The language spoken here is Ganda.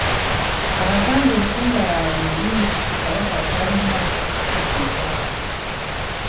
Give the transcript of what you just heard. Abaganda ensonga yaabwe eri nti Kabaka talina kuddibwamu.